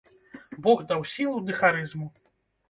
Бог даў сілу ды харызму.